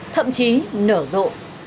thậm chí nở rộ